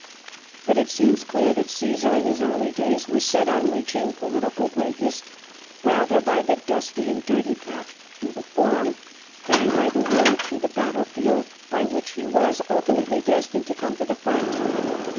But it seems clear that Cassar in his early days was set on reaching political greatness rather by the dusty and dirty path through the Forum, than by the road through the battlefield, by which he was ultimately destined to come to the front.